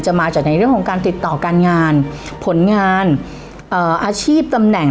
มาจากในเรื่องของการติดต่อการงานผลงานเอ่ออาชีพตำแหน่ง